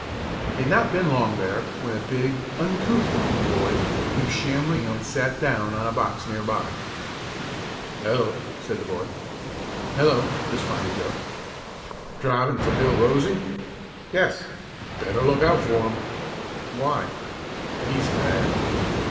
He had not been long there when a big, uncouth looking boy came shambling in and sat down on a box near by. "Hello!" said the boy. "Hello!" responded Joe. "Drivin' for Bill Rosey?" "Yes." "Better look out for 'im." "Why?" "He's bad."